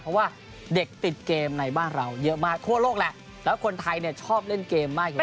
เพราะว่าเด็กติดเกมในบ้านเราเยอะมากทั่วโลกแหละแล้วคนไทยเนี่ยชอบเล่นเกมมากอยู่แล้ว